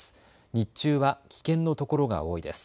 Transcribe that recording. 日中は危険のところが多いです。